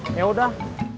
aku mau ke rumah